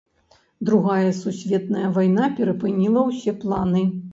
Другая сусветная вайна перапыніла ўсе планы.